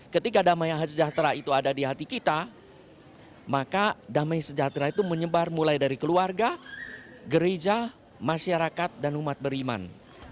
ketika damai yang sejahtera itu ada di hati kita maka damai sejahtera itu menyebar mulai dari keluarga gereja masyarakat dan umat beriman